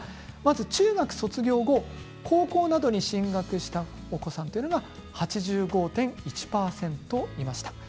中学卒業後、高校などに進学したお子さんというのが８５．１％いました。